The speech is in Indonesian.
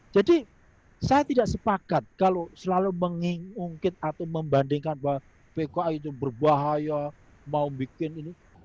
jadi saya tidak sepakat kalau selalu mengungkit atau membandingkan bahwa pki itu berbahaya mau bikin ini